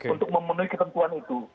untuk memenuhi ketentuan itu